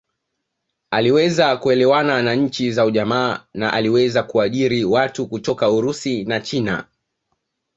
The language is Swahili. Aliweza kuelewana na nchi za ujamaa na aliweza kuajiri watu kutoka Urusi na China